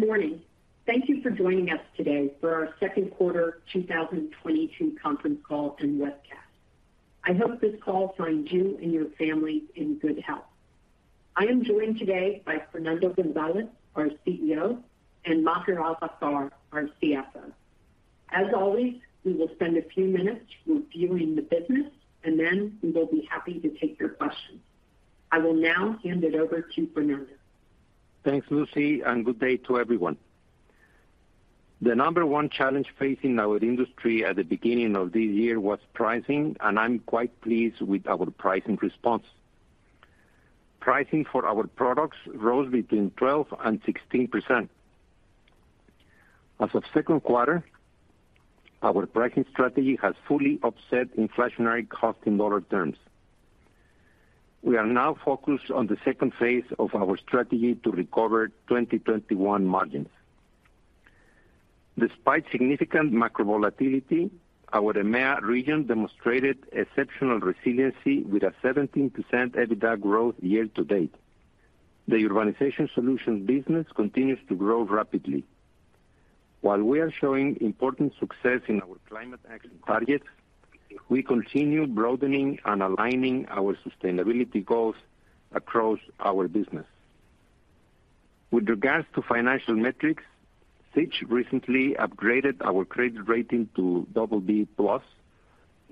Good morning. Thank you for joining us today for our Q2 2022 conference call and webcast. I hope this call finds you and your family in good health. I am joined today by Fernando A. González, our CEO, and Maher Al-Haffar, our CFO. As always, we will spend a few minutes reviewing the business, and then we will be happy to take your questions. I will now hand it over to Fernando. Thanks, Lucy, and good day to everyone. The number one challenge facing our industry at the beginning of this year was pricing, and I'm quite pleased with our pricing response. Pricing for our products rose between 12% and 16%. As of Q2, our pricing strategy has fully offset inflationary cost in dollar terms. We are now focused on the second phase of our strategy to recover 2021 margins. Despite significant macro volatility, our EMEA region demonstrated exceptional resiliency with a 17% EBITDA growth year to date. The Urbanization Solutions business continues to grow rapidly. While we are showing important success in our climate action targets, we continue broadening and aligning our sustainability goals across our business. With regards to financial metrics, Fitch recently upgraded our credit rating to BB+,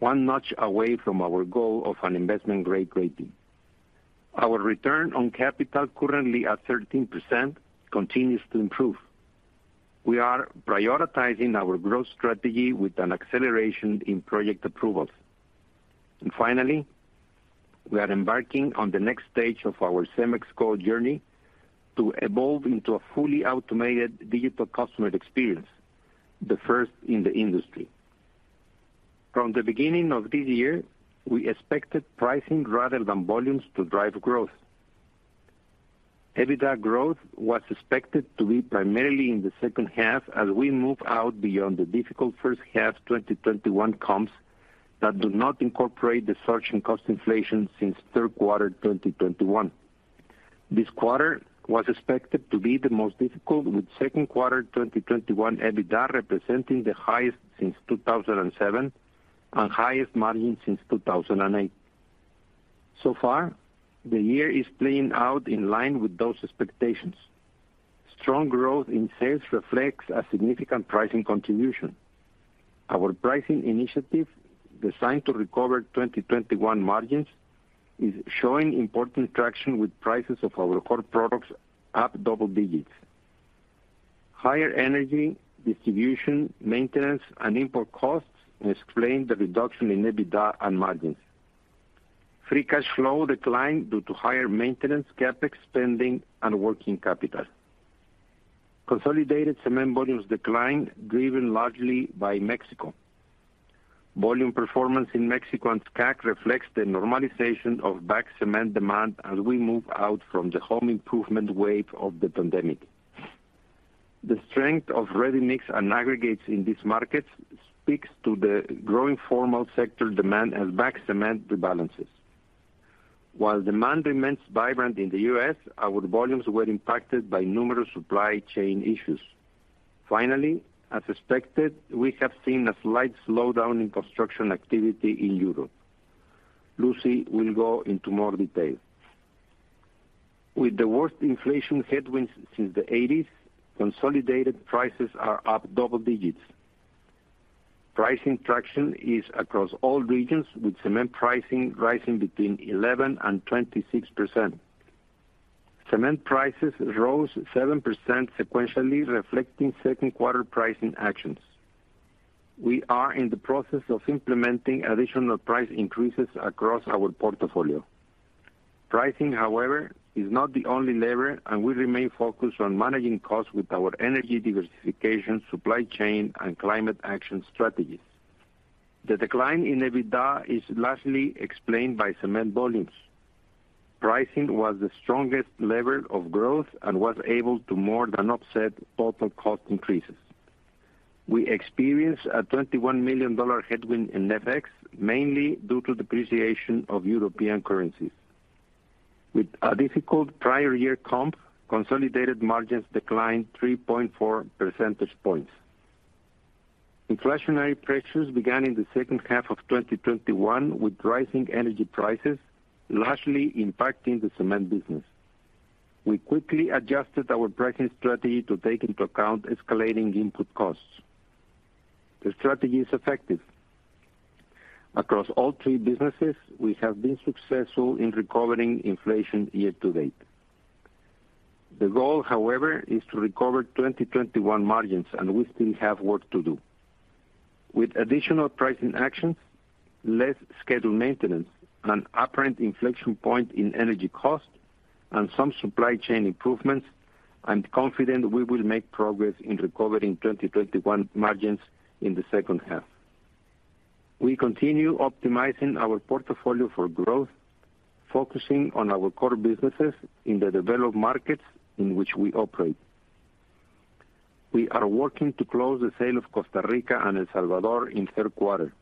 one notch away from our goal of an investment-grade rating. Our return on capital, currently at 13%, continues to improve. We are prioritizing our growth strategy with an acceleration in project approvals. Finally, we are embarking on the next stage of our CEMEX Go journey to evolve into a fully automated digital customer experience, the first in the industry. From the beginning of this year, we expected pricing rather than volumes to drive growth. EBITDA growth was expected to be primarily in the second half as we move out beyond the difficult first half 2021 comps that do not incorporate the surge in cost inflation since Q3 2021. This quarter was expected to be the most difficult, with Q2 2021 EBITDA representing the highest since 2007 and highest margin since 2008. So far, the year is playing out in line with those expectations. Strong growth in sales reflects a significant pricing contribution. Our pricing initiative, designed to recover 2021 margins, is showing important traction with prices of our core products up double digits. Higher energy, distribution, maintenance, and import costs explain the reduction in EBITDA and margins. Free cash flow declined due to higher maintenance, CapEx spending, and working capital. Consolidated cement volumes declined, driven largely by Mexico. Volume performance in Mexico and SCAC reflects the normalization of bagged cement demand as we move out from the home improvement wave of the pandemic. The strength of ready-mix and aggregates in these markets speaks to the growing formal sector demand as bag cement rebalances. While demand remains vibrant in the U.S., our volumes were impacted by numerous supply chain issues. Finally, as expected, we have seen a slight slowdown in construction activity in Europe. Lucy will go into more detail. With the worst inflation headwinds since the eighties, consolidated prices are up double digits. Pricing traction is across all regions, with cement pricing rising between 11% and 26%. Cement prices rose 7% sequentially, reflecting second-quarter pricing actions. We are in the process of implementing additional price increases across our portfolio. Pricing, however, is not the only lever, and we remain focused on managing costs with our energy diversification, supply chain, and climate action strategies. The decline in EBITDA is largely explained by cement volumes. Pricing was the strongest lever of growth and was able to more than offset total cost increases. We experienced a $21 million headwind in FX, mainly due to depreciation of European currencies. With a difficult prior year comp, consolidated margins declined 3.4 percentage points. Inflationary pressures began in the second half of 2021, with rising energy prices largely impacting the cement business. We quickly adjusted our pricing strategy to take into account escalating input costs. The strategy is effective. Across all three businesses, we have been successful in recovering inflation year to date. The goal, however, is to recover 2021 margins, and we still have work to do. With additional pricing actions, less scheduled maintenance, an apparent inflection point in energy cost, and some supply chain improvements, I'm confident we will make progress in recovering 2021 margins in the second half. We continue optimizing our portfolio for growth, focusing on our core businesses in the developed markets in which we operate. We are working to close the sale of Costa Rica and El Salvador in Q3.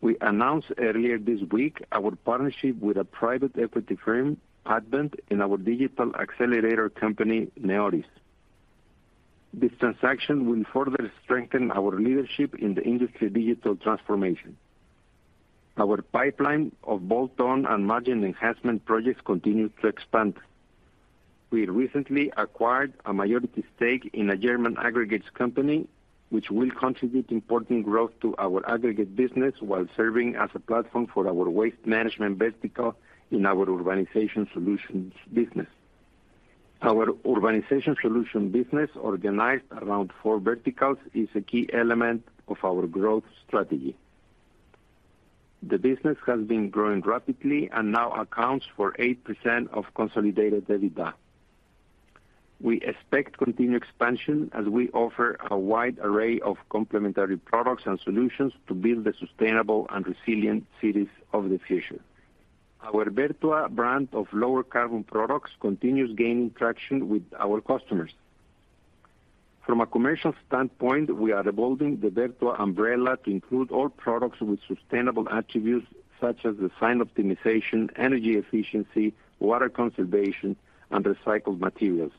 We announced earlier this week our partnership with a private equity firm, Advent, in our digital accelerator company, Neoris. This transaction will further strengthen our leadership in the industry digital transformation. Our pipeline of bolt-on and margin enhancement projects continue to expand. We recently acquired a majority stake in a German aggregates company, which will contribute important growth to our aggregates business while serving as a platform for our waste management vertical in our Urbanization Solutions business. Our Urbanization Solutions business, organized around four verticals, is a key element of our growth strategy. The business has been growing rapidly and now accounts for 8% of consolidated EBITDA. We expect continued expansion as we offer a wide array of complementary products and solutions to build the sustainable and resilient cities of the future. Our Vertua brand of lower carbon products continues gaining traction with our customers. From a commercial standpoint, we are evolving the Vertua umbrella to include all products with sustainable attributes such as design optimization, energy efficiency, water conservation, and recycled materials.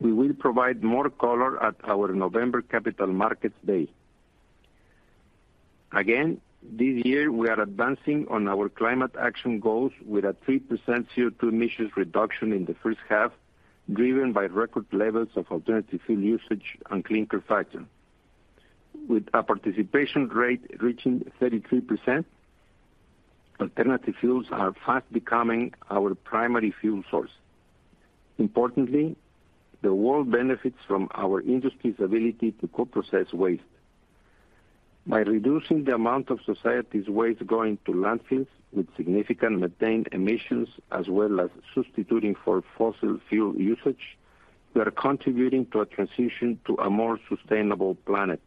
We will provide more color at our November Capital Markets Day. Again, this year we are advancing on our climate action goals with a 3% CO2 emissions reduction in the first half, driven by record levels of alternative fuel usage and clinker co-firing. With a participation rate reaching 33%, alternative fuels are fast becoming our primary fuel source. Importantly, the world benefits from our industry's ability to co-process waste. By reducing the amount of society's waste going to landfills with significant methane emissions, as well as substituting for fossil fuel usage, we are contributing to a transition to a more sustainable planet.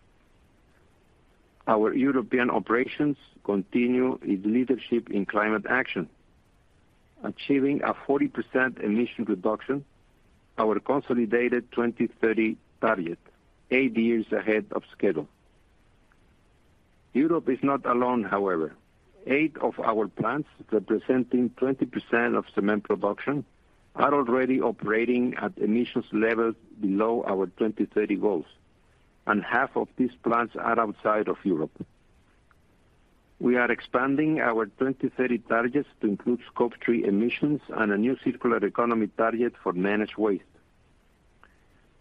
Our European operations continue their leadership in climate action. Achieving a 40% emission reduction, our consolidated 2030 target eight years ahead of schedule. Europe is not alone, however. 8 of our plants, representing 20% of cement production, are already operating at emissions levels below our 2030 goals, and half of these plants are outside of Europe. We are expanding our 2030 targets to include Scope 3 emissions and a new circular economy target for managed waste.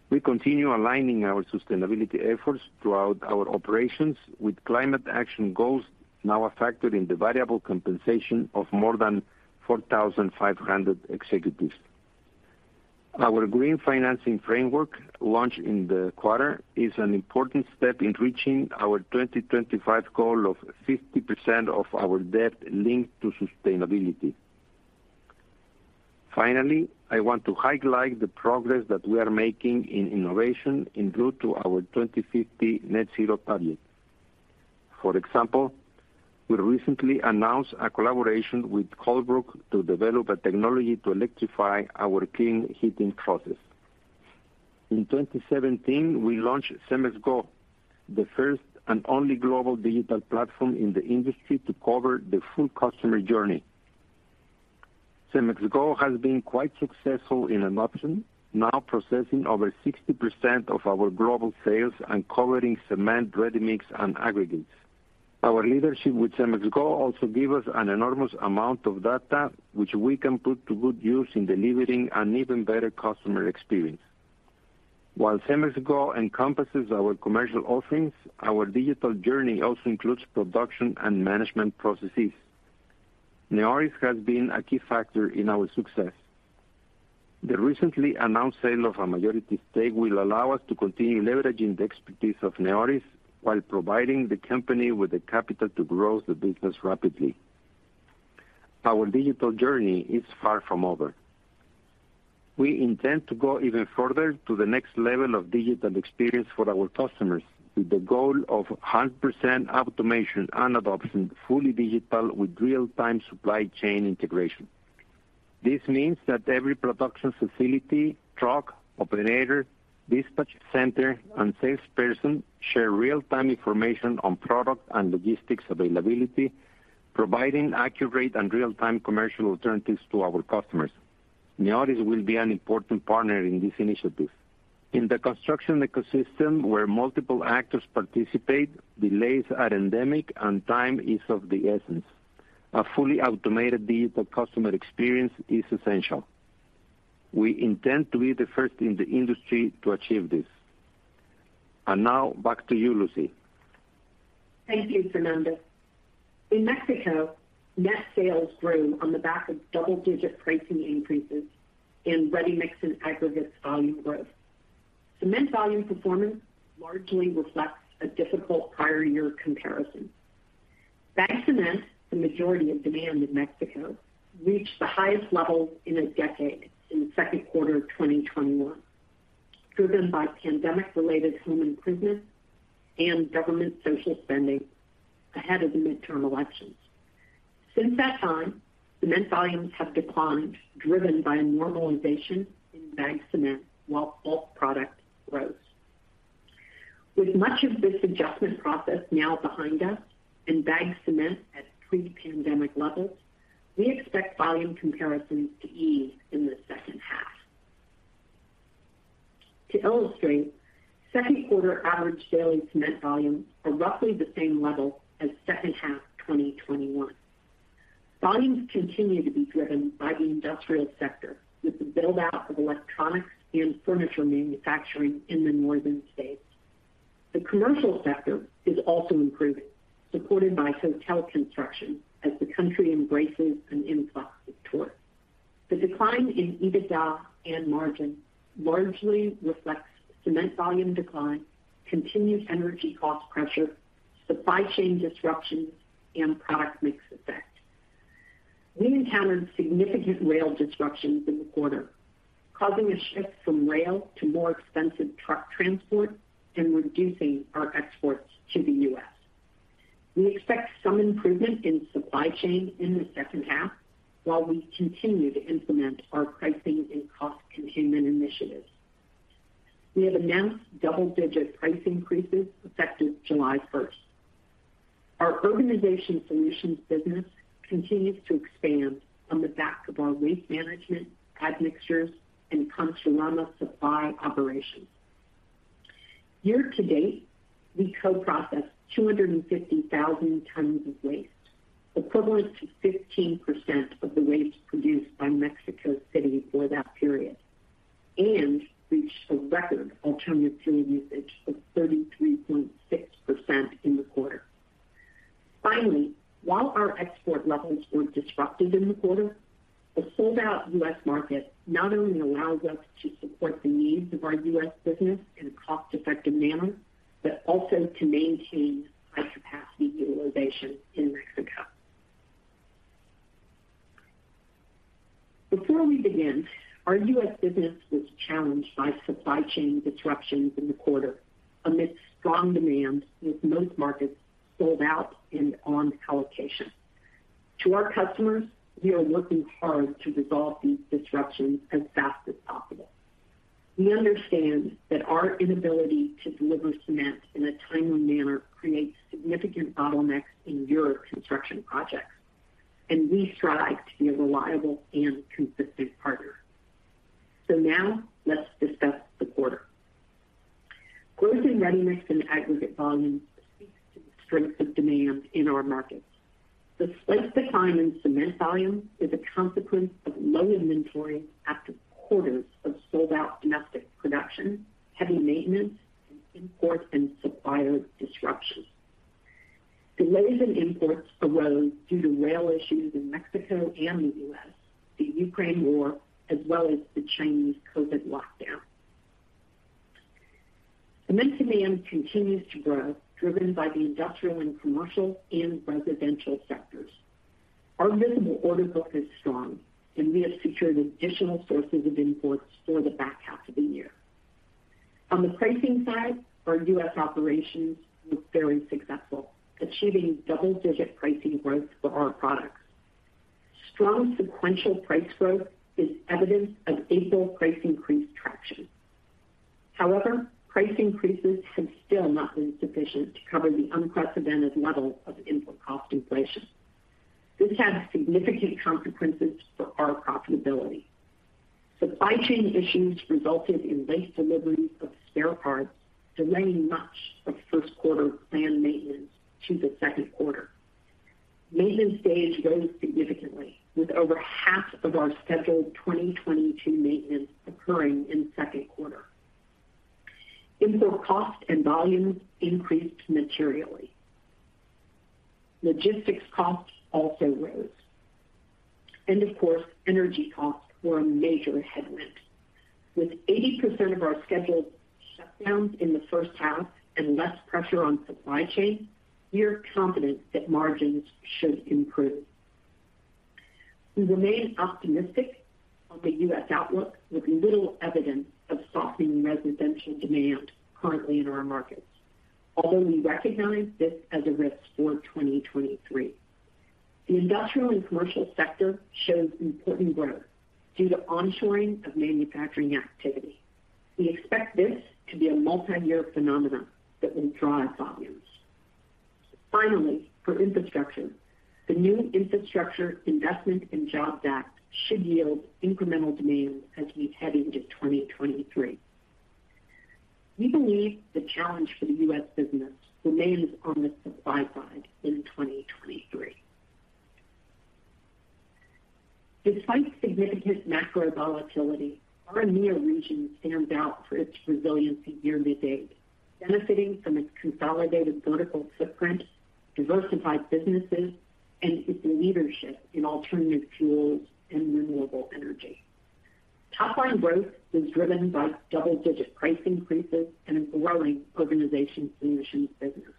We continue aligning our sustainability efforts throughout our operations, with climate action goals now a factor in the variable compensation of more than 4,500 executives. Our Green Financing Framework, launched in the quarter, is an important step in reaching our 2025 goal of 50% of our debt linked to sustainability. Finally, I want to highlight the progress that we are making in innovation en route to our 2050 net zero target. For example, we recently announced a collaboration with Coolbrook to develop a technology to electrify our kiln heating process. In 2017, we launched CEMEX Go, the first and only global digital platform in the industry to cover the full customer journey. CEMEX Go has been quite successful in adoption, now processing over 60% of our global sales and covering cement, ready-mix, and aggregates. Our leadership with CEMEX Go also give us an enormous amount of data which we can put to good use in delivering an even better customer experience. While CEMEX Go encompasses our commercial offerings, our digital journey also includes production and management processes. Neoris has been a key factor in our success. The recently announced sale of a majority stake will allow us to continue leveraging the expertise of Neoris while providing the company with the capital to grow the business rapidly. Our digital journey is far from over. We intend to go even further to the next level of digital experience for our customers, with the goal of 100% automation and adoption, fully digital with real-time supply chain integration. This means that every production facility, truck, operator, dispatch center, and salesperson share real-time information on product and logistics availability, providing accurate and real-time commercial alternatives to our customers. Neoris will be an important partner in this initiative. In the construction ecosystem, where multiple actors participate, delays are endemic and time is of the essence. A fully automated digital customer experience is essential. We intend to be the first in the industry to achieve this. Now, back to you, Lucy. Thank you, Fernando. In Mexico, net sales grew on the back of double-digit pricing increases in ready-mix and aggregates volume growth. Cement volume performance largely reflects a difficult prior year comparison. Bagged cement, the majority of demand in Mexico, reached the highest levels in a decade in the Q2 of 2021, driven by pandemic-related home improvement and government social spending ahead of the midterm elections. Since that time, cement volumes have declined, driven by a normalization in bagged cement while bulk product grows. With much of this adjustment process now behind us and bagged cement at pre-pandemic levels, we expect volume comparisons to ease in the second half. To illustrate, Q2 average daily cement volumes are roughly the same level as second half 2021. Volumes continue to be driven by the industrial sector with the build-out of electronics and furniture manufacturing in the northern states. The commercial sector is also improving, supported by hotel construction as the country embraces an influx of tourists. The decline in EBITDA and margin largely reflects cement volume decline, continued energy cost pressure, supply chain disruptions, and product mix effect. We encountered significant rail disruptions in the quarter, causing a shift from rail to more expensive truck transport and reducing our exports to the U.S. We expect some improvement in supply chain in the second half while we continue to implement our pricing and cost containment initiatives. We have announced double-digit price increases effective July first. Our Urbanization Solutions business continues to expand on the back of our waste management, admixtures, and Conchas y Lamas supply operations. Year to date, we co-processed 250,000 tons of waste, equivalent to 15% of the waste produced by Mexico City for that period, and reached a record alternative fuel usage of 33.6% in the quarter. Finally, while our export levels were disrupted in the quarter, a sold-out U.S. market not only allows us to support the needs of our U.S. business in a cost-effective manner, but also to maintain high capacity utilization in Mexico. Before we begin, our U.S. business was challenged by supply chain disruptions in the quarter amid strong demand, with most markets sold out and on allocation. To our customers, we are working hard to resolve these disruptions as fast as possible. We understand that our inability to deliver cement in a timely manner creates significant bottlenecks in your construction projects, and we strive to be a reliable and consistent partner. Now let's discuss the quarter. Growth in ready-mix and aggregate volumes speaks to the strength of demand in our markets. The slight decline in cement volume is a consequence of low inventory after quarters of sold-out domestic production, heavy maintenance, and import and supplier disruptions. Delays in imports arose due to rail issues in Mexico and the U.S., the Ukraine war, as well as the Chinese COVID lockdown. Cement demand continues to grow, driven by the industrial and commercial and residential sectors. Our visible order book is strong, and we have secured additional sources of imports for the back half of the year. On the pricing side, our U.S. operations look very successful, achieving double-digit pricing growth for our products. Strong sequential price growth is evidence of April price increase traction. However, price increases have still not been sufficient to cover the unprecedented level of input cost inflation. This has significant consequences for our profitability. Supply chain issues resulted in late deliveries of spare parts, delaying much of Q1 planned maintenance to the Q2. Maintenance days rose significantly, with over half of our scheduled 2022 maintenance occurring in Q2. Input costs and volumes increased materially. Logistics costs also rose. Of course, energy costs were a major headwind. With 80% of our scheduled shutdowns in the first half and less pressure on supply chain, we are confident that margins should improve. We remain optimistic on the U.S. outlook, with little evidence of softening residential demand currently in our markets, although we recognize this as a risk for 2023. The industrial and commercial sector shows important growth due to onshoring of manufacturing activity. We expect this to be a multiyear phenomenon that will drive volumes. Finally, for infrastructure, the new Infrastructure Investment and Jobs Act should yield incremental demand as we head into 2023. We believe the challenge for the U.S. business remains on the supply side in 2023. Despite significant macro volatility, our EMEA region stands out for its resiliency year to date, benefiting from its consolidated vertical footprint, diversified businesses, and its leadership in alternative fuels and renewable energy. Top-line growth was driven by double-digit price increases and a growing Urbanization Solutions business.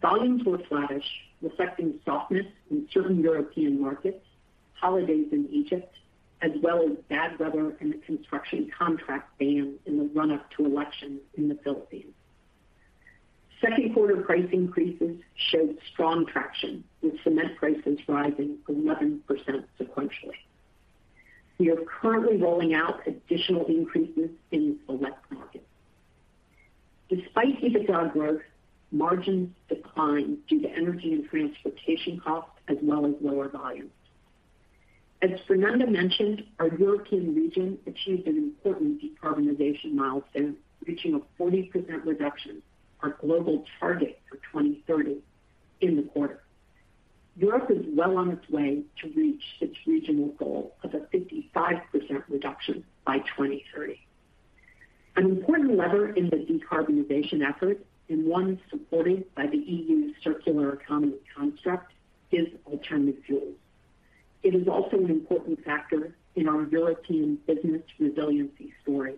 Volumes were flattish, reflecting softness in certain European markets, holidays in Egypt, as well as bad weather and a construction contract ban in the run-up to elections in the Philippines. Q2 price increases showed strong traction, with cement prices rising 11% sequentially. We are currently rolling out additional increases in select markets. Despite EBITDA growth, margins declined due to energy and transportation costs, as well as lower volumes. As Fernando mentioned, our European region achieved an important decarbonization milestone, reaching a 40% reduction, our global target for 2030 in the quarter. Europe is well on its way to reach its regional goal of a 55% reduction by 2030. An important lever in the decarbonization effort, and one supported by the EU Circular Economy construct, is alternative fuels. It is also an important factor in our European business resiliency story,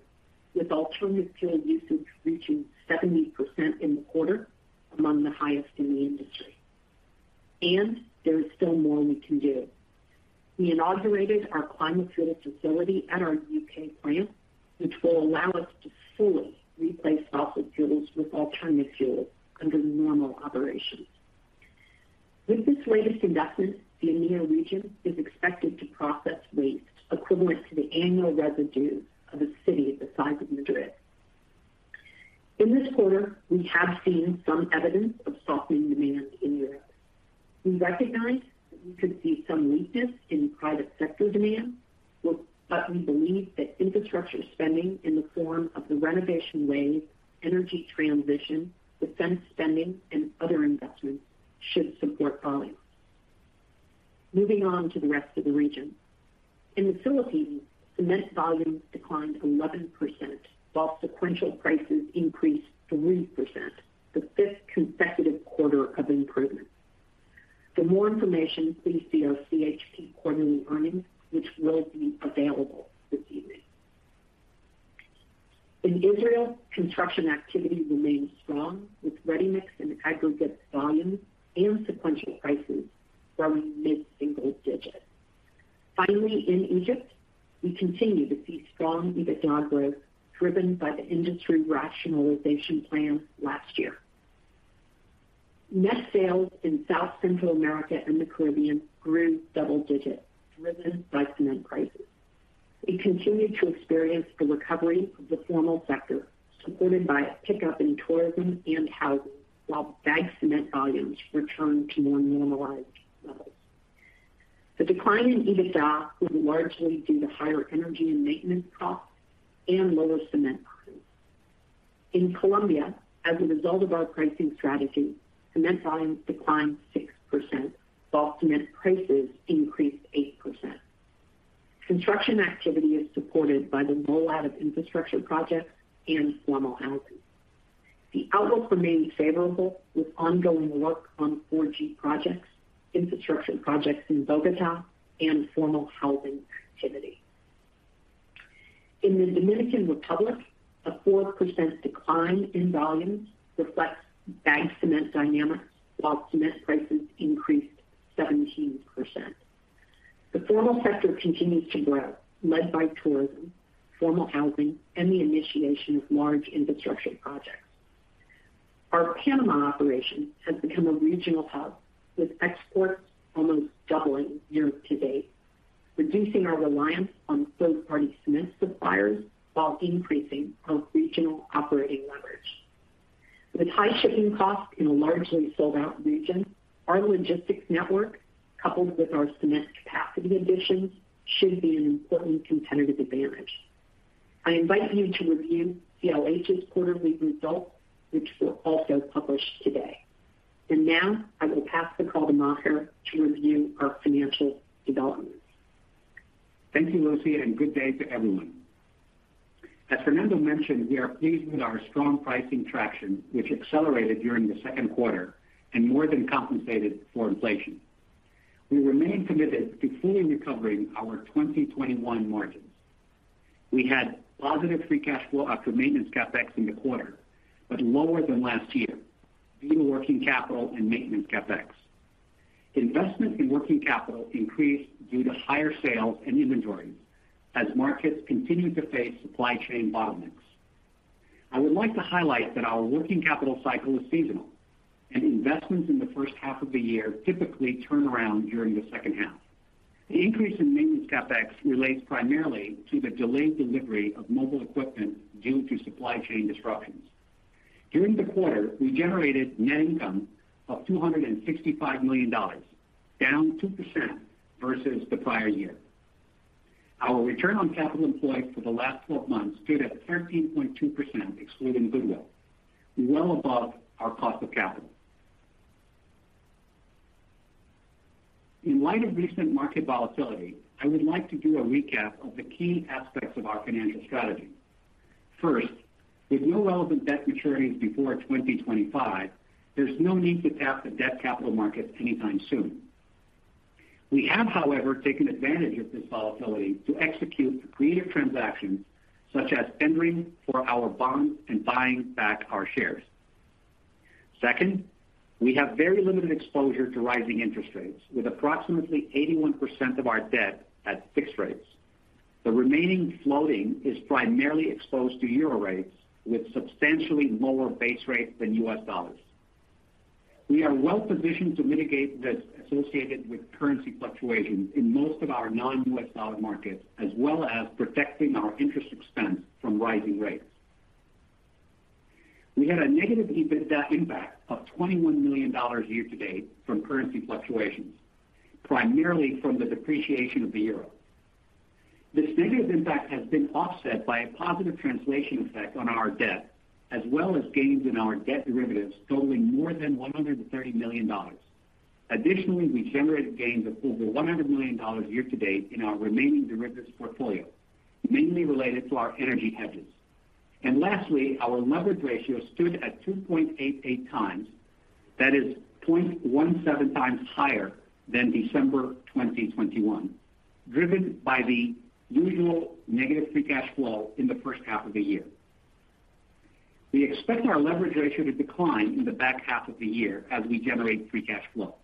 with alternative fuel usage reaching 70% in the quarter, among the highest in the industry. There is still more we can do. We inaugurated our climate fuel facility at our UK plant, which will allow us to fully replace fossil fuels with alternative fuels under normal operations. With this latest investment, the EMEA region is expected to process waste equivalent to the annual residue of a city the size of Madrid. In this quarter, we have seen some evidence of softening demand in Europe. We recognize that we could see some weakness in private sector demand, but we believe that infrastructure spending in the form of the Renovation Wave, energy transition, defense spending, and other investments should support volumes. Moving on to the rest of the region. In the Philippines, cement volumes declined 11%, while sequential prices increased 3%, the fifth consecutive quarter of improvement. For more information, please see our CHP quarterly earnings, which will be available this evening. In Israel, construction activity remains strong, with ready-mix and aggregate volumes and sequential prices growing mid-single digits. Finally, in Egypt, we continue to see strong EBITDA growth, driven by the industry rationalization plan last year. Net sales in South, Central America, and the Caribbean grew double digits, driven by cement prices. We continued to experience the recovery of the formal sector, supported by a pickup in tourism and housing, while bagged cement volumes returned to more normalized levels. The decline in EBITDA was largely due to higher energy and maintenance costs and lower cement prices. In Colombia, as a result of our pricing strategy, cement volumes declined 6%, while cement prices increased 8%. Construction activity is supported by the rollout of infrastructure projects and formal housing. The outlook remains favorable with ongoing work on 4G projects, infrastructure projects in Bogotá and formal housing activity. In the Dominican Republic, a 4% decline in volumes reflects bagged cement dynamics, while cement prices increased 17%. The formal sector continues to grow, led by tourism, formal housing, and the initiation of large infrastructure projects. Our Panama operation has become a regional hub, with exports almost doubling year-to-date, reducing our reliance on third-party cement suppliers while increasing our regional operating leverage. With high shipping costs in a largely sold-out region, our logistics network, coupled with our cement capacity additions, should be an important competitive advantage. I invite you to review CLH's quarterly results, which were also published today. Now I will pass the call to Maher to review our financial developments. Thank you, Lucy, and good day to everyone. As Fernando mentioned, we are pleased with our strong pricing traction, which accelerated during the Q2 and more than compensated for inflation. We remain committed to fully recovering our 2021 margins. We had positive free cash flow after maintenance CapEx in the quarter, but lower than last year due to working capital and maintenance CapEx. Investment in working capital increased due to higher sales and inventory as markets continued to face supply chain bottlenecks. I would like to highlight that our working capital cycle is seasonal, and investments in the first half of the year typically turn around during the second half. The increase in maintenance CapEx relates primarily to the delayed delivery of mobile equipment due to supply chain disruptions. During the quarter, we generated net income of $265 million, down 2% versus the prior year. Our return on capital employed for the last 12 months stood at 13.2% excluding goodwill, well above our cost of capital. In light of recent market volatility, I would like to do a recap of the key aspects of our financial strategy. First, with no relevant debt maturities before 2025, there's no need to tap the debt capital markets anytime soon. We have, however, taken advantage of this volatility to execute creative transactions such as tendering for our bonds and buying back our shares. Second, we have very limited exposure to rising interest rates, with approximately 81% of our debt at fixed rates. The remaining floating is primarily exposed to euro rates with substantially lower base rates than U.S. dollars. We are well-positioned to mitigate the risks associated with currency fluctuations in most of our non-U.S. dollar markets, as well as protecting our interest expense from rising rates. We had a negative EBITDA impact of $21 million year to date from currency fluctuations, primarily from the depreciation of the euro. This negative impact has been offset by a positive translation effect on our debt, as well as gains in our debt derivatives totaling more than $130 million. Additionally, we generated gains of over $100 million year to date in our remaining derivatives portfolio, mainly related to our energy hedges. Lastly, our leverage ratio stood at 2.88 times. That is 0.17 times higher than December 2021, driven by the usual negative free cash flow in the first half of the year. We expect our leverage ratio to decline in the back half of the year as we generate free cash flow.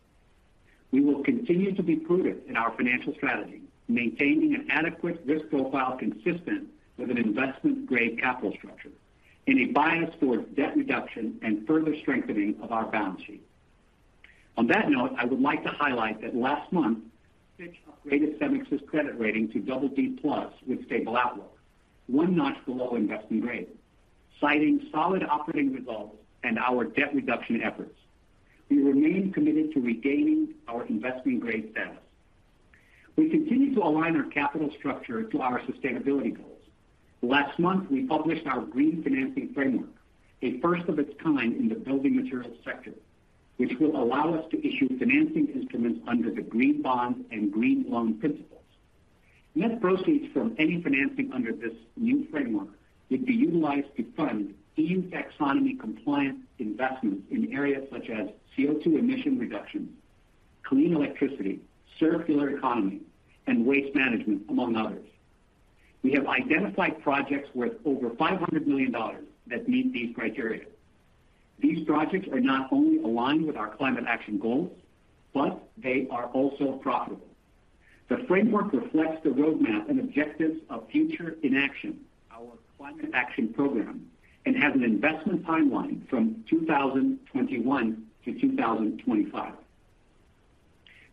We will continue to be prudent in our financial strategy, maintaining an adequate risk profile consistent with an investment-grade capital structure and a bias towards debt reduction and further strengthening of our balance sheet. On that note, I would like to highlight that last month, Fitch upgraded CEMEX's credit rating to BB+ with stable outlook, one notch below investment-grade, citing solid operating results and our debt reduction efforts. We remain committed to regaining our investment-grade status. We continue to align our capital structure to our sustainability goals. Last month, we published our Green Financing Framework, a first of its kind in the building materials sector, which will allow us to issue financing instruments under the green bond and green loan principles. Net proceeds from any financing under this new framework would be utilized to fund EU taxonomy compliance investments in areas such as CO2 emission reduction, clean electricity, circular economy, and waste management, among others. We have identified projects worth over $500 million that meet these criteria. These projects are not only aligned with our climate action goals, but they are also profitable. The framework reflects the roadmap and objectives of Future in Action, our climate action program, and has an investment timeline from 2021 to 2025.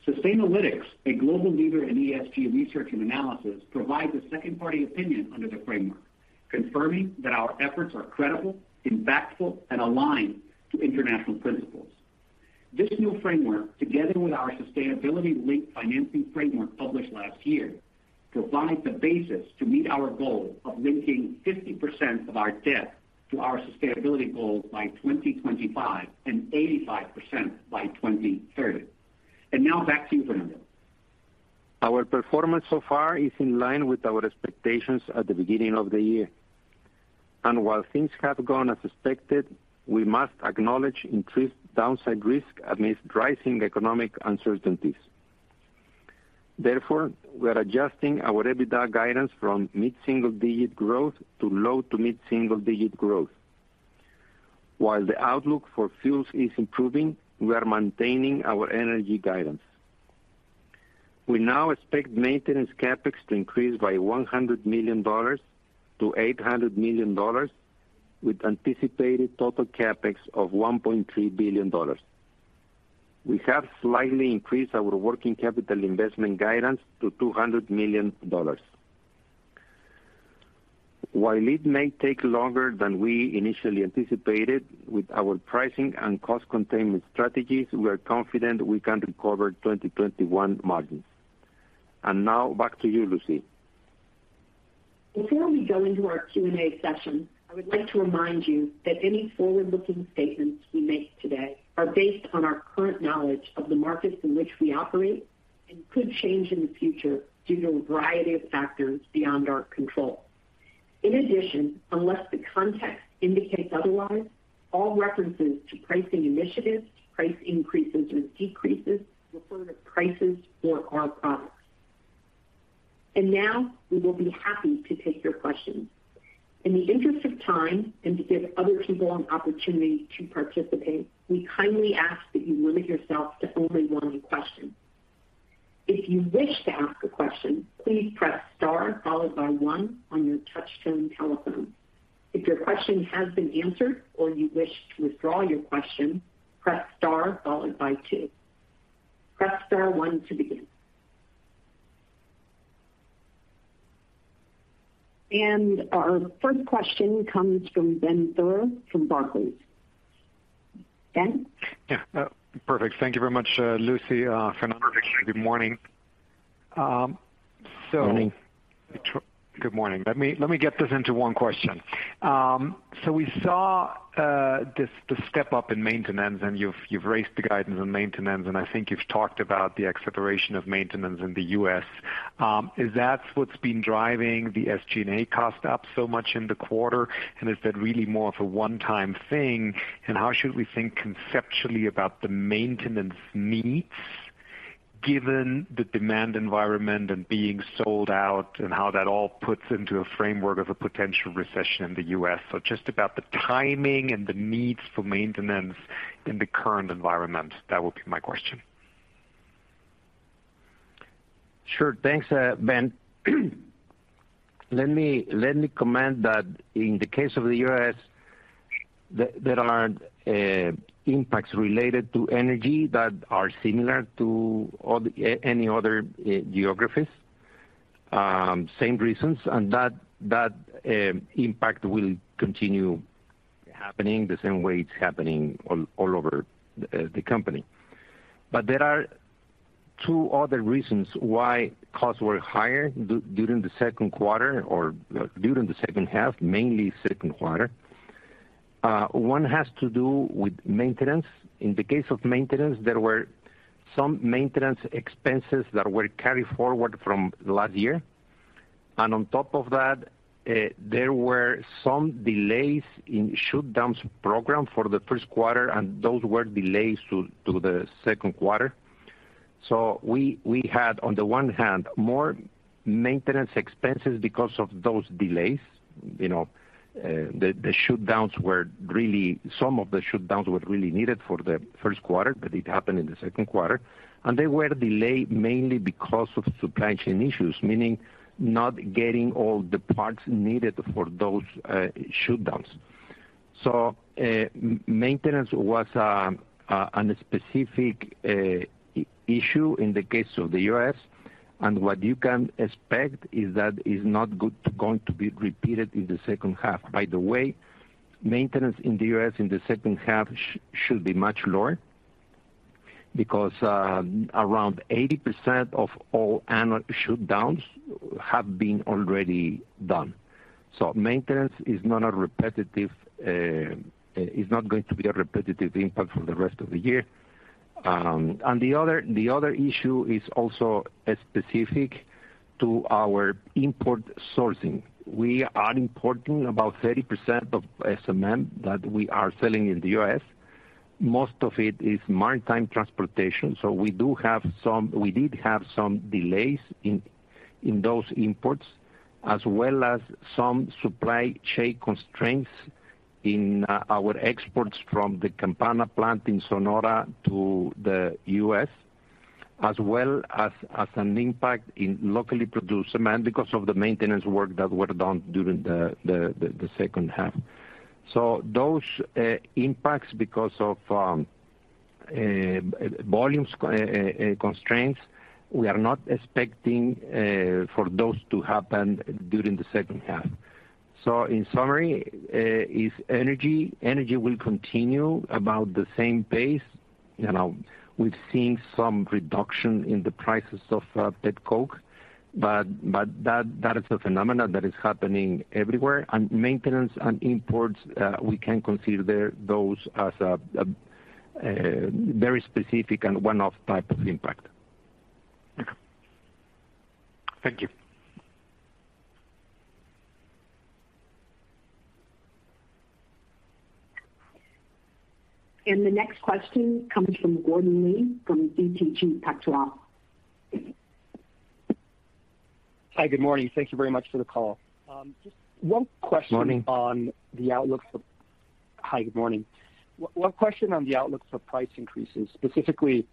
Sustainalytics, a global leader in ESG research and analysis, provides a second party opinion under the framework, confirming that our efforts are credible, impactful, and aligned to international principles. This new framework, together with our sustainability-linked financing framework published last year, provides the basis to meet our goal of linking 50% of our debt to our sustainability goals by 2025 and 85% by 2030. Now back to you, Fernando. Our performance so far is in line with our expectations at the beginning of the year. While things have gone as expected, we must acknowledge increased downside risk amidst rising economic uncertainties. Therefore, we are adjusting our EBITDA guidance from mid-single-digit growth to low to mid-single-digit growth. While the outlook for fuels is improving, we are maintaining our energy guidance. We now expect maintenance CapEx to increase by $100 million to $800 million, with anticipated total CapEx of $1.3 billion. We have slightly increased our working capital investment guidance to $200 million. While it may take longer than we initially anticipated, with our pricing and cost containment strategies, we are confident we can recover 2021 margins. Now back to you, Lucy. Before we go into our Q&A session, I would like to remind you that any forward-looking statements we make today are based on our current knowledge of the markets in which we operate and could change in the future due to a variety of factors beyond our control. In addition, unless the context indicates otherwise, all references to pricing initiatives, price increases or decreases refer to prices for our products. Now we will be happy to take your questions. In the interest of time and to give other people an opportunity to participate, we kindly ask that you limit yourself to only one question. If you wish to ask a question, please press star followed by one on your touchtone telephone. If your question has been answered or you wish to withdraw your question, press star followed by two. Press star one to begin. Our first question comes from Benjamin Theurer from Barclays. Ben? Yeah. Perfect. Thank you very much, Lucy. Fernando, Maher, good morning. Morning. Good morning. Let me get this into one question. We saw the step up in maintenance, and you've raised the guidance on maintenance, and I think you've talked about the acceleration of maintenance in the U.S. Is that what's been driving the SG&A cost up so much in the quarter? Is that really more of a one-time thing? How should we think conceptually about the maintenance needs given the demand environment and being sold out and how that all puts into a framework of a potential recession in the U.S.? Just about the timing and the needs for maintenance in the current environment, that would be my question. Sure. Thanks, Ben. Let me comment that in the case of the US, there are impacts related to energy that are similar to any other geographies. Same reasons, and that impact will continue happening the same way it's happening all over the company. There are two other reasons why costs were higher during the Q2 or during the second half, mainly Q2. One has to do with maintenance. In the case of maintenance, there were some maintenance expenses that were carried forward from last year. On top of that, there were some delays in shutdowns program for the Q1, and those were delays to the Q2. We had, on the one hand, more maintenance expenses because of those delays. You know, the shutdowns were really needed for the Q1, but it happened in the Q2, and they were delayed mainly because of supply chain issues, meaning not getting all the parts needed for those shutdowns. Maintenance was a specific issue in the case of the U.S., and what you can expect is that it's not going to be repeated in the second half. By the way, maintenance in the U.S. in the second half should be much lower because around 80% of all annual shutdowns have been already done. Maintenance is not going to be a repetitive impact for the rest of the year. The other issue is also specific to our import sourcing. We are importing about 30% of SCM that we are selling in the US. Most of it is maritime transportation, so we did have some delays in those imports, as well as some supply chain constraints in our exports from the Campana plant in Sonora to the U.S., as well as an impact on locally produced cement because of the maintenance work that were done during the second half. Those impacts because of volume constraints, we are not expecting for those to happen during the second half. In summary, is energy. Energy will continue about the same pace. You know, we've seen some reduction in the prices of petcoke, but that is a phenomenon that is happening everywhere. Maintenance and imports, we can consider those as a very specific and one-off type of impact. Okay. Thank you. The next question comes from Gordon Lee of BTG Pactual. Hi, good morning. Thank you very much for the call. Just one question. Good morning. Hi, good morning. One question on the outlook for price increases, specifically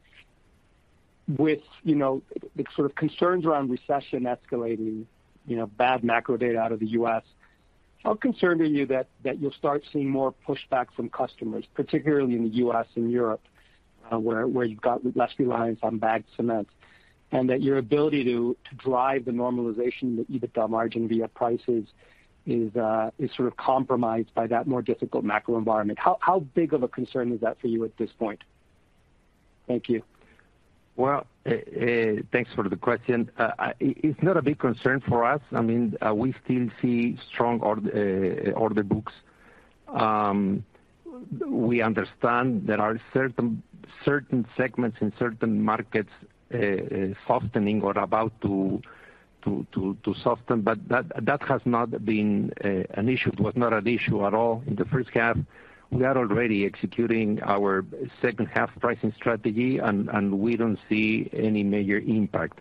with, you know, the sort of concerns around recession escalating, you know, bad macro data out of the U.S. How concerned are you that that you'll start seeing more pushback from customers, particularly in the U.S. and Europe, where where you've got less reliance on bagged cement, and that your ability to to drive the normalization in the EBITDA margin via prices is is sort of compromised by that more difficult macro environment? How big of a concern is that for you at this point? Thank you. Well, thanks for the question. It's not a big concern for us. I mean, we still see strong order books. We understand there are certain segments in certain markets softening or about to soften, but that has not been an issue. It was not an issue at all in the first half. We are already executing our second half pricing strategy and we don't see any major impact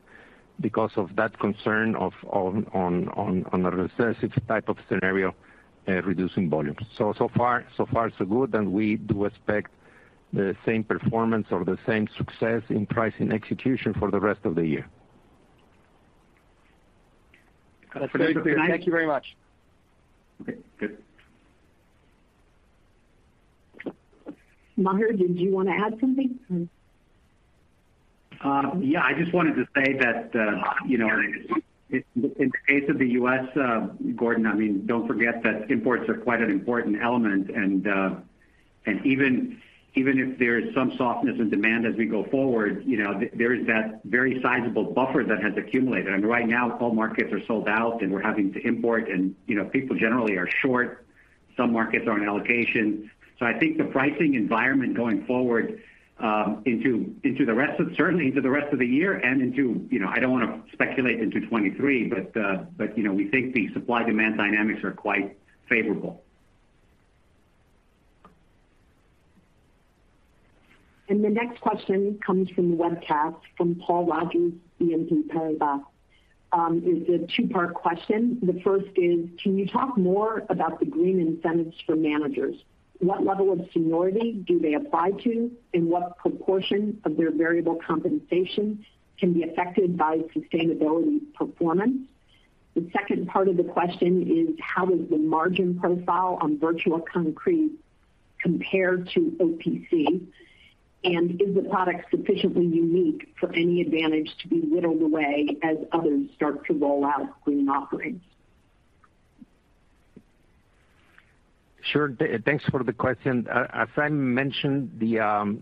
because of that concern on a recessionary type of scenario reducing volumes. So far so good, and we do expect the same performance or the same success in pricing execution for the rest of the year. That's very clear. Thank you very much. Okay, good. Maher, did you wanna add something? Or Yeah, I just wanted to say that, you know, in the case of the U.S., Gordon, I mean, don't forget that imports are quite an important element, and even if there is some softness in demand as we go forward, you know, there is that very sizable buffer that has accumulated. I mean, right now all markets are sold out and we're having to import and, you know, people generally are short. Some markets are on allocation. I think the pricing environment going forward, certainly into the rest of the year and into, you know, I don't wanna speculate into 2023, but, you know, we think the supply-demand dynamics are quite favorable. The next question comes from the webcast, from Paul Roger, BNP Paribas. It's a two-part question. The first is, can you talk more about the green incentives for managers? What level of seniority do they apply to, and what proportion of their variable compensation can be affected by sustainability performance? The second part of the question is, how does the margin profile on Vertua concrete compare to OPC? And is the product sufficiently unique for any advantage to be whittled away as others start to roll out green offerings? Sure. Thanks for the question. As I mentioned, the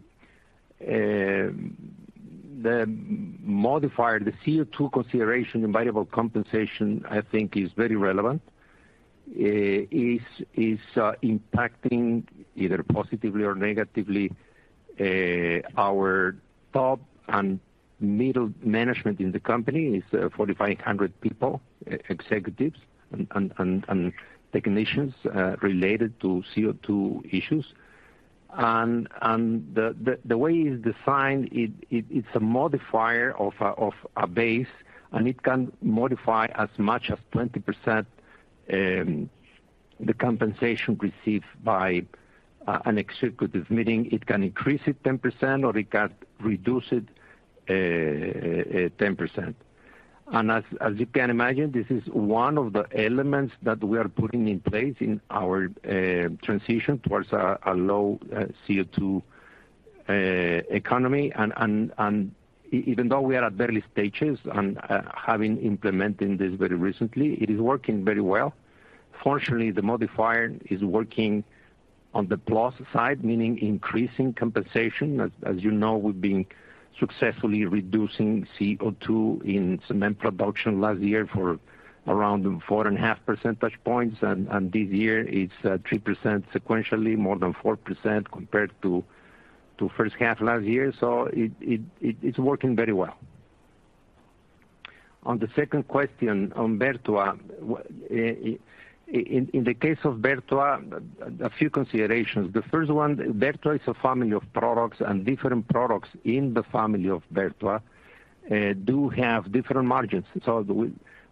modifier, the CO2 consideration in variable compensation, I think is very relevant. It is impacting either positively or negatively our top and middle management in the company. It's 4,500 people, executives and technicians related to CO2 issues. The way it's designed, it's a modifier of a base, and it can modify as much as 20%, the compensation received by an executive. Meaning it can increase it 10% or it can reduce it 10%. As you can imagine, this is one of the elements that we are putting in place in our transition towards a low CO2 economy. Even though we are at early stages and having implemented this very recently, it is working very well. Fortunately, the modifier is working on the plus side, meaning increasing compensation. As you know, we've been successfully reducing CO2 in cement production last year for around 4.5 percentage points. This year it's 3% sequentially, more than 4% compared to first half last year. It's working very well. On the second question on Vertua. In the case of Vertua, a few considerations. The first one, Vertua is a family of products, and different products in the family of Vertua do have different margins.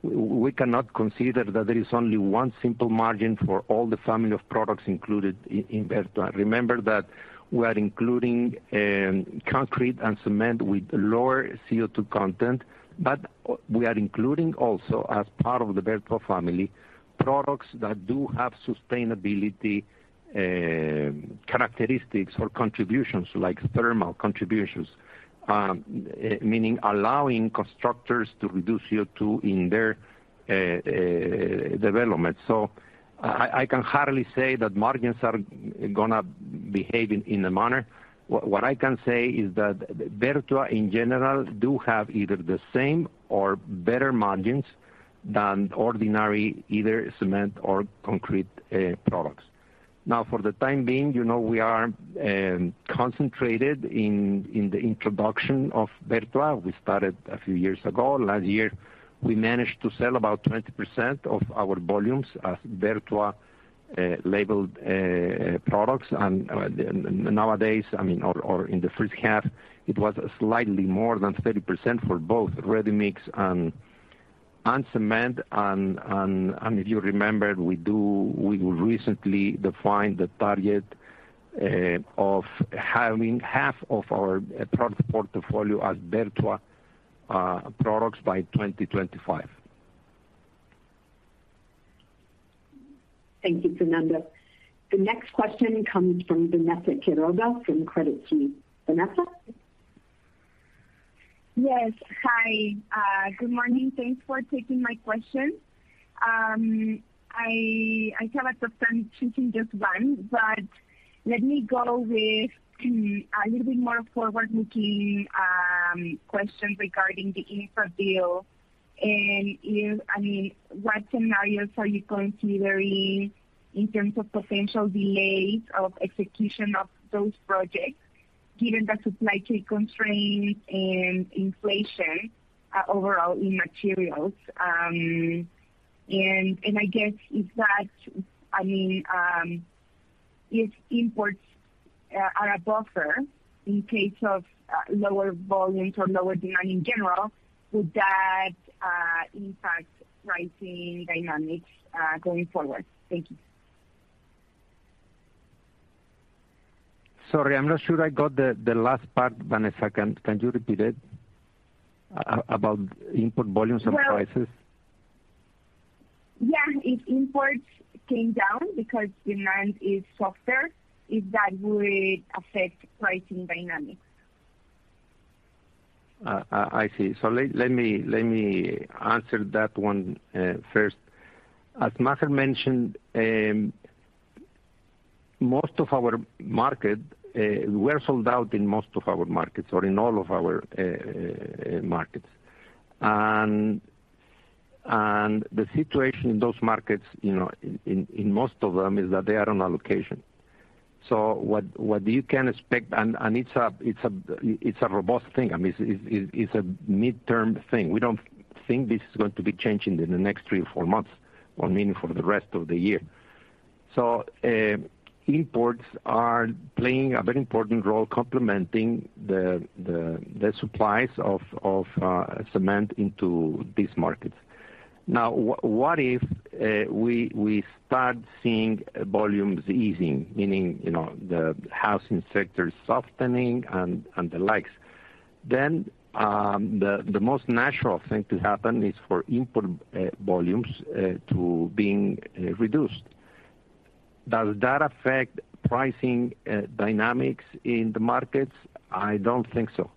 We cannot consider that there is only one simple margin for all the family of products included in Vertua. Remember that we are including, concrete and cement with lower CO2 content, but we are including also as part of the Vertua family, products that do have sustainability, characteristics or contributions like thermal contributions, meaning allowing constructors to reduce CO2 in their development. I can hardly say that margins are gonna behave in a manner. What I can say is that Vertua in general do have either the same or better margins than ordinary, either cement or concrete, products. Now, for the time being, you know, we are concentrated in the introduction of Vertua. We started a few years ago. Last year, we managed to sell about 20% of our volumes as Vertua labeled products. Nowadays, I mean, in the first half it was slightly more than 30% for both ready-mix and cement. If you remember, we recently defined the target of having half of our product portfolio as Vertua products by 2025. Thank you, Fernando. The next question comes from Vanessa Quiroga from Credit Suisse. Vanessa. Yes. Hi. Good morning. Thanks for taking my question. I have a tough time choosing just one, but let me go with a little bit more forward-looking question regarding the infra bill. I mean, what scenarios are you considering in terms of potential delays of execution of those projects given the supply chain constraints and inflation overall in materials? And I guess if that, I mean, if imports are a buffer in case of lower volumes or lower demand in general, would that impact pricing dynamics going forward? Thank you. Sorry, I'm not sure I got the last part, Vanessa. Can you repeat it about input volumes and prices? Well, yeah. If imports came down because demand is softer, if that would affect pricing dynamics. I see. Let me answer that one first. As Maher mentioned, most of our markets, we're sold out in most of our markets or in all of our markets. The situation in those markets, you know, in most of them is that they are on allocation. What you can expect. It's a robust thing. I mean, it's a midterm thing. We don't think this is going to be changing in the next three or four months or meaning for the rest of the year. Imports are playing a very important role complementing the supplies of cement into these markets. What if we start seeing volumes easing, meaning, you know, the housing sector softening and the likes. The most natural thing to happen is for import volumes to be reduced. Does that affect pricing dynamics in the markets? I don't think so.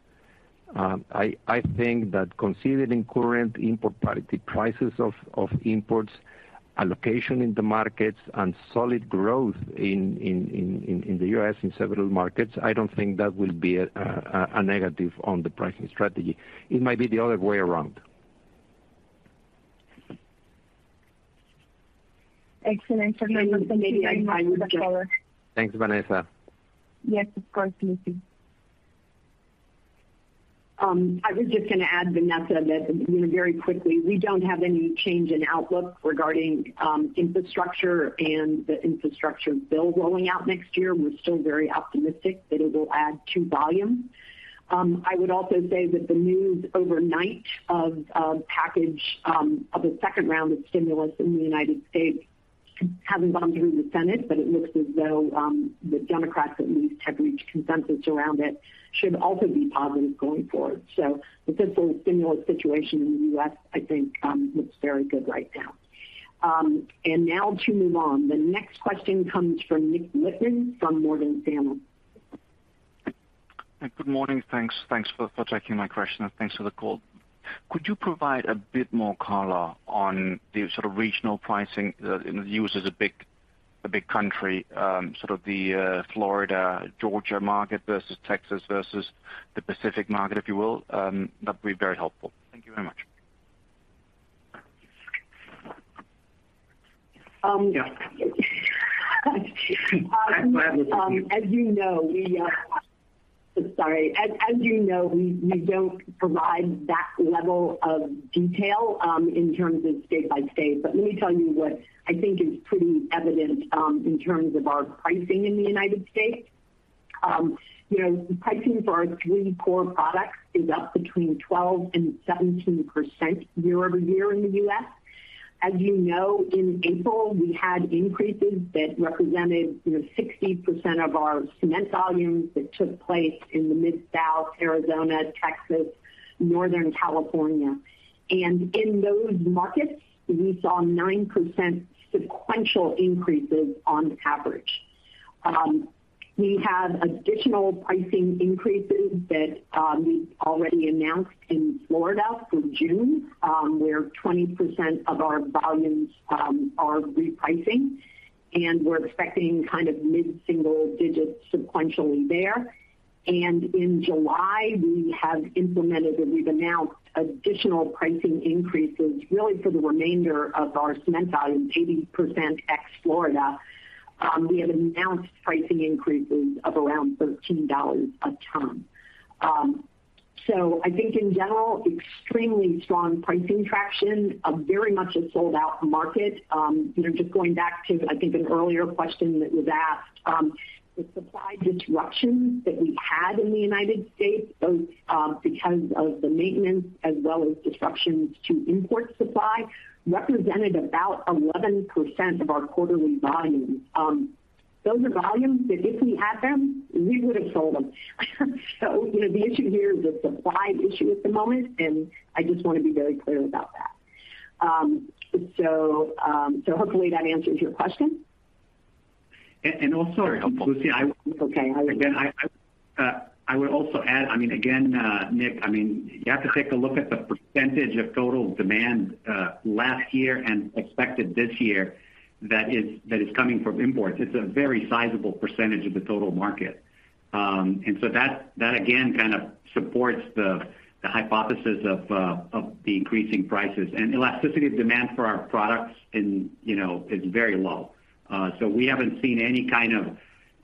I think that considering current import parity, prices of imports, allocation in the markets and solid growth in the US in several markets, I don't think that will be a negative on the pricing strategy. It might be the other way around. Excellent. Thank you very much for the color. Thanks, Vanessa. Yes, of course, Lucy. I was just gonna add, Vanessa, that, you know, very quickly, we don't have any change in outlook regarding, infrastructure and the infrastructure bill rolling out next year. We're still very optimistic that it will add to volume. I would also say that the news overnight of package of a second round of stimulus in the United States hasn't gone through the Senate, but it looks as though the Democrats at least have reached consensus around it, should also be positive going forward. The fiscal stimulus situation in the U.S., I think, looks very good right now. Now to move on. The next question comes from Nikolaj Lippmann from Morgan Stanley. Good morning. Thanks. Thanks for taking my question, and thanks for the call. Could you provide a bit more color on the sort of regional pricing, the U.S. is a big country, sort of the Florida, Georgia market versus Texas versus the Pacific market, if you will? That'd be very helpful. Thank you very much. Yeah. Go ahead, Lucy. As you know, we don't provide that level of detail in terms of state by state. Let me tell you what I think is pretty evident in terms of our pricing in the United States. You know, pricing for our three core products is up 12%-17% year-over-year in the U.S. As you know, in April, we had increases that represented, you know, 60% of our cement volumes that took place in the Mid-South, Arizona, Texas, Northern California. In those markets, we saw 9% sequential increases on average. We have additional pricing increases that we already announced in Florida for June, where 20% of our volumes are repricing, and we're expecting kind of mid-single digits sequentially there. In July, we have implemented or we've announced additional pricing increases really for the remainder of our cement volumes, 80% ex Florida. We have announced pricing increases of around $13 a ton. So I think in general, extremely strong pricing traction, a very much a sold-out market. You know, just going back to, I think, an earlier question that was asked, the supply disruptions that we've had in the United States, both, because of the maintenance as well as disruptions to import supply, represented about 11% of our quarterly volumes. Those are volumes that if we had them, we would have sold them. So, you know, the issue here is a supply issue at the moment, and I just want to be very clear about that. So hopefully that answers your question. Also, Lucy, I Very helpful. It's okay. Again, I would also add, I mean, again, Nik, I mean, you have to take a look at the percentage of total demand last year and expected this year that is coming from imports. It's a very sizable percentage of the total market. That again kind of supports the hypothesis of the increasing prices. Elasticity of demand for our products, you know, is very low. We haven't seen any kind of,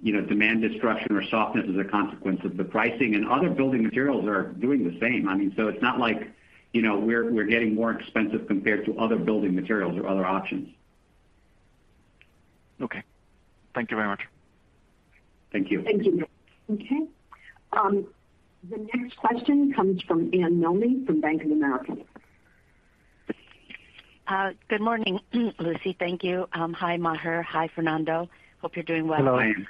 you know, demand destruction or softness as a consequence of the pricing. Other building materials are doing the same. I mean, so it's not like, you know, we're getting more expensive compared to other building materials or other options. Okay. Thank you very much. Thank you. Thank you, Nik. Okay. The next question comes from Anne Milne from Bank of America. Good morning, Lucy. Thank you. Hi, Maher. Hi, Fernando. Hope you're doing well. Hello. Hello, Anne.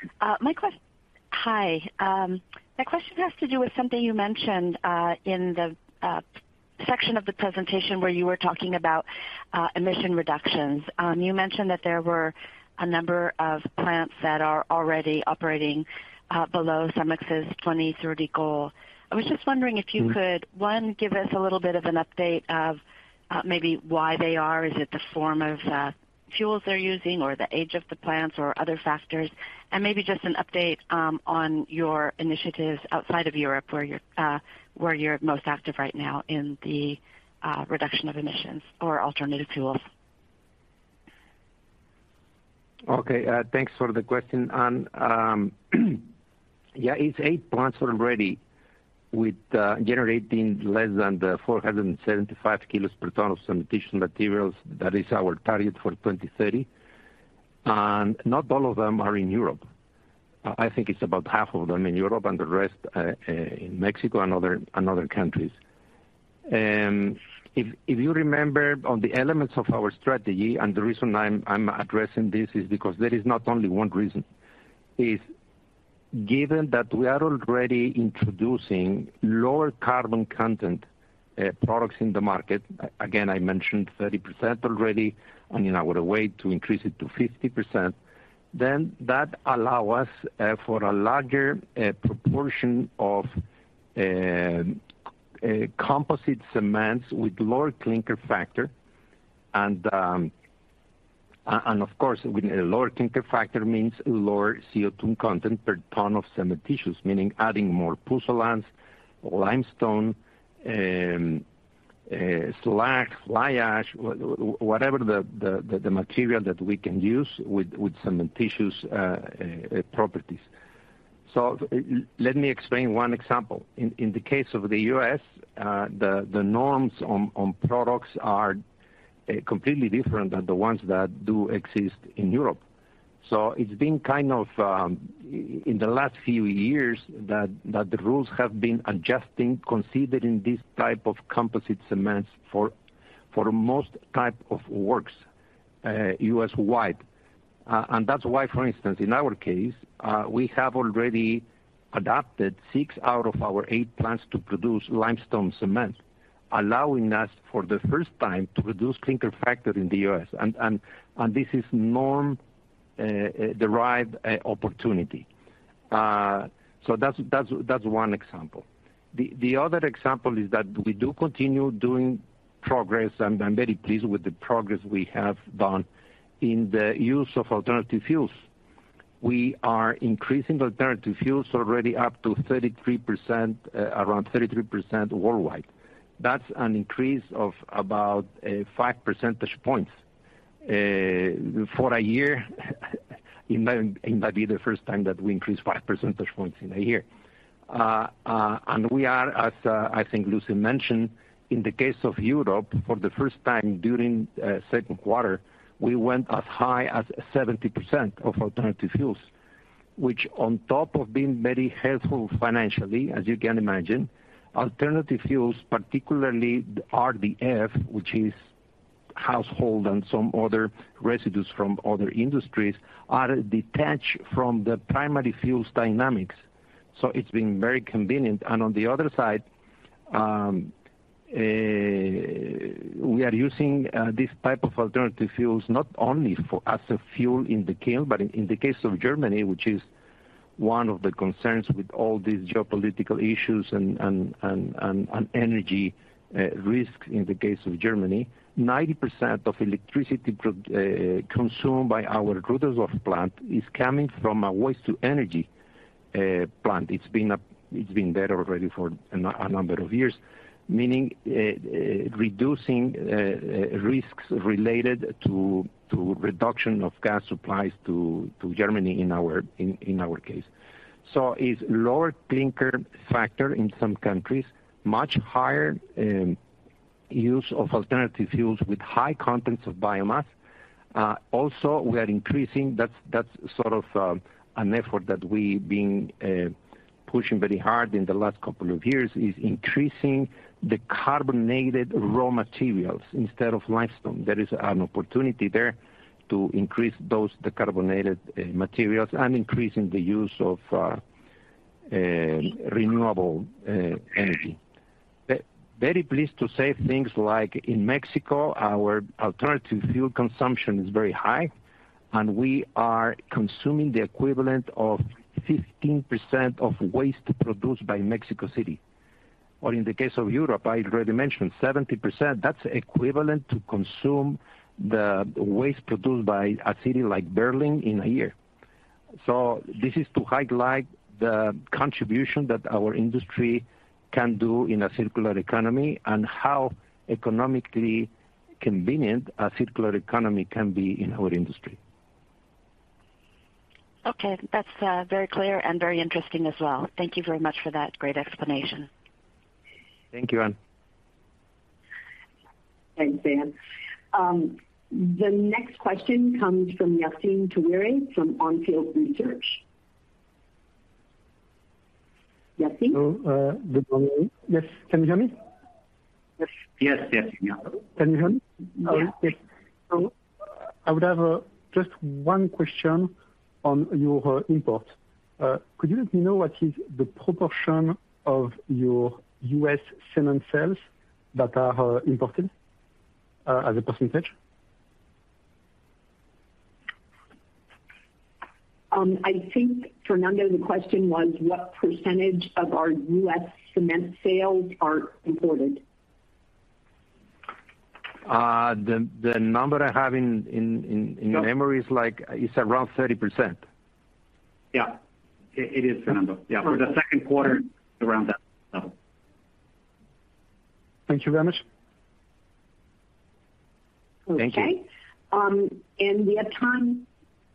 Hi. My question has to do with something you mentioned in the section of the presentation where you were talking about emission reductions. You mentioned that there were a number of plants that are already operating below CEMEX's 2030 goal. I was just wondering if you could, one, give us a little bit of an update of maybe why they are. Is it the form of fuels they're using or the age of the plants or other factors? Maybe just an update on your initiatives outside of Europe, where you're most active right now in the reduction of emissions or alternative fuels. Okay. Thanks for the question, Anne. Yeah, it's 8 plants already generating less than 475 kilos per ton of cementitious materials. That is our target for 2030. Not all of them are in Europe. I think it's about half of them in Europe and the rest in Mexico and other countries. If you remember on the elements of our strategy, and the reason I'm addressing this is because there is not only one reason, is given that we are already introducing lower carbon content products in the market, again, I mentioned 30% already, and in our way to increase it to 50%, then that allow us for a larger proportion of composite cements with lower clinker factor and of course, with a lower clinker factor means lower CO2 content per ton of cementitious. Meaning adding more pozzolans, limestone, slag, fly ash, whatever the material that we can use with cementitious properties. Let me explain one example. In the case of the U.S., the norms on products are completely different than the ones that do exist in Europe. It's been kind of in the last few years that the rules have been adjusting considering this type of composite cements for most type of works U.S.-wide. That's why, for instance, in our case, we have already adapted six out of our eight plants to produce limestone cement, allowing us, for the first time, to reduce clinker factor in the U.S. This is norm-derived opportunity. That's one example. The other example is that we continue making progress, and I'm very pleased with the progress we have made in the use of alternative fuels. We are increasing alternative fuels already up to 33%, around 33% worldwide. That's an increase of about 5 percentage points for a year. That be the first time that we increased 5 percentage points in a year. We are, as I think Lucy mentioned, in the case of Europe, for the first time during Q2, we went as high as 70% of alternative fuels, which on top of being very helpful financially, as you can imagine, alternative fuels, particularly RDF, which is household and some other residues from other industries, are detached from the primary fuels dynamics. It's been very convenient. On the other side, we are using this type of alternative fuels not only for as a fuel in the kiln, but in the case of Germany, which is one of the concerns with all these geopolitical issues and energy risks in the case of Germany, 90% of electricity consumed by our Rüdersdorf plant is coming from a waste-to-energy plant. It's been there already for a number of years, meaning reducing risks related to reduction of gas supplies to Germany in our case. It's lower clinker factor in some countries, much higher use of alternative fuels with high contents of biomass. Also we are increasing. That's sort of an effort that we've been pushing very hard in the last couple of years, is increasing the carbonate raw materials instead of limestone. There is an opportunity there to increase those, the carbonate materials and increasing the use of renewable energy. Very pleased to say things like in Mexico, our alternative fuel consumption is very high, and we are consuming the equivalent of 15% of waste produced by Mexico City. Or in the case of Europe, I already mentioned 70%, that's equivalent to consume the waste produced by a city like Berlin in a year. This is to highlight the contribution that our industry can do in a circular economy and how economically convenient a circular economy can be in our industry. Okay. That's very clear and very interesting as well. Thank you very much for that great explanation. Thank you, Anne. Thanks, Anne. The next question comes from Yassine Touahri from On Field Research. Yassine? Yes. Can you hear me? Yes. Yes. Yes, we can. Can you hear me? Yes. Okay. I would have just one question on your import. Could you let me know what is the proportion of your U.S. cement sales that are imported as a percentage? I think, Fernando, the question was what percentage of our U.S. cement sales are imported? The number I have in memory is like it's around 30%. Yeah. It is, Fernando. Yeah. For the Q2, around that level. Thank you very much. Okay.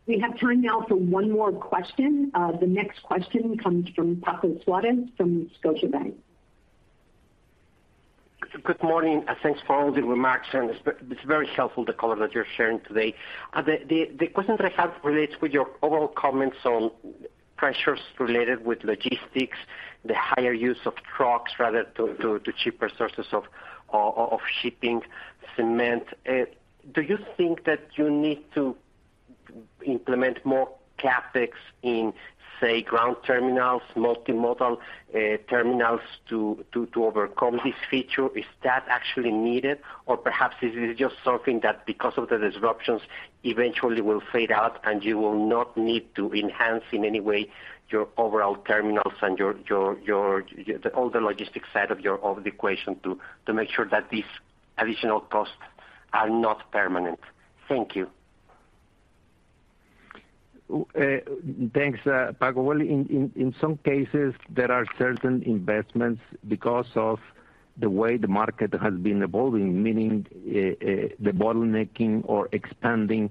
We have time now for one more question. The next question comes from Francisco Suarez from Scotiabank. Good morning, and thanks for all the remarks, and it's very helpful the color that you're sharing today. The question I have relates to your overall comments on pressures related to logistics, the higher use of trucks rather to cheaper sources of shipping cement. Do you think that you need to implement more CapEx in, say, ground terminals, multimodal terminals to overcome this issue? Is that actually needed? Or perhaps is it just something that, because of the disruptions, eventually will fade out and you will not need to enhance in any way your overall terminals and the logistics side of the equation to make sure that these additional costs are not permanent? Thank you. Thanks, Paco. Well, in some cases, there are certain investments because of the way the market has been evolving, meaning the bottlenecking or expanding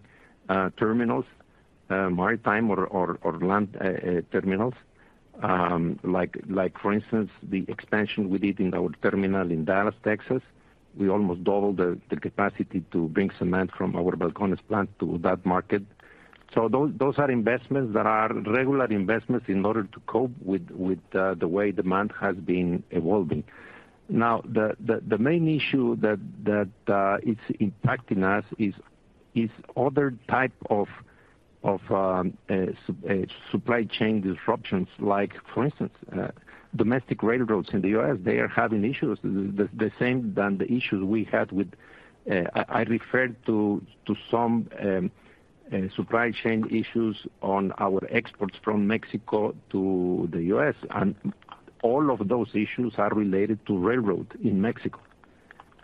terminals, maritime or land terminals. Like, for instance, the expansion we did in our terminal in Dallas, Texas. We almost doubled the capacity to bring cement from our Balcones plant to that market. Those are investments that are regular investments in order to cope with the way demand has been evolving. Now, the main issue that is impacting us is other type of supply chain disruptions, like for instance, domestic railroads in the US. They are having issues, the same as the issues we had, which I referred to, some supply chain issues on our exports from Mexico to the U.S. All of those issues are related to railroad in Mexico,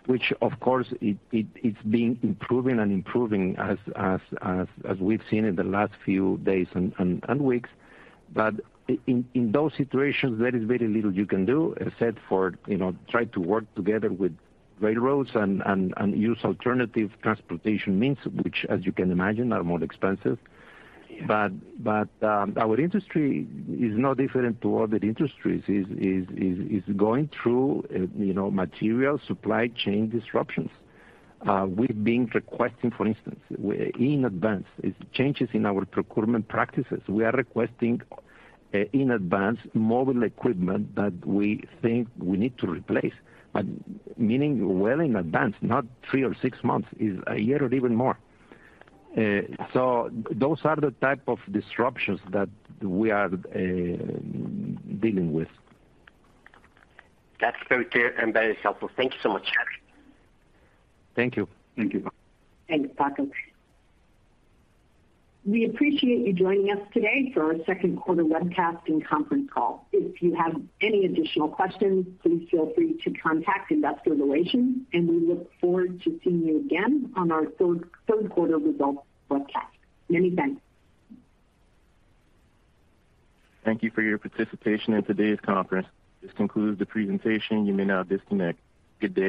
which of course it's been improving as we've seen in the last few days and weeks. In those situations, there is very little you can do except for, you know, try to work together with railroads and use alternative transportation means which, as you can imagine, are more expensive. Our industry is no different to other industries, is going through, you know, material supply chain disruptions. We've been requesting, for instance, in advance, such as changes in our procurement practices. We are requesting in advance mobile equipment that we think we need to replace, but meaning well in advance, not three or six months, is a year or even more. Those are the type of disruptions that we are dealing with. That's very clear and very helpful. Thank you so much. Thank you. Thank you. Thank you, Paco. We appreciate you joining us today for our Q2 webcast and conference call. If you have any additional questions, please feel free to contact investor relations, and we look forward to seeing you again on our Q3 results webcast. Many thanks. Thank you for your participation in today's conference. This concludes the presentation. You may now disconnect. Good day.